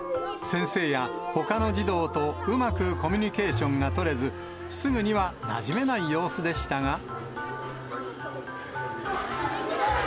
先生やほかの児童とうまくコミュニケーションが取れず、すぐにはなじめない様子でしたが。